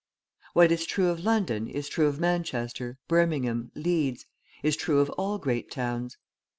What is true of London, is true of Manchester, Birmingham, Leeds, is true of all great towns.